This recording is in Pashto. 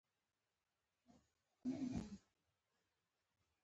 ریاء او تظاهر نه وفا لري نه بقاء!